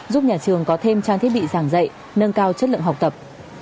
giúp nhà trường có thêm trang thiết bị giảng dạy nâng cao chất lượng học tập